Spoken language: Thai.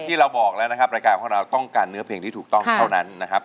ที่เราบอกแล้วนะครับรายการของเราต้องการเนื้อเพลงที่ถูกต้องเท่านั้นนะครับ